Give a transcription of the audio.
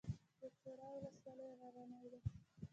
د چوره ولسوالۍ غرنۍ ده